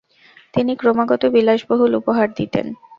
তিনি ক্রমাগত বিলাসবহুল উপহার দিতেন।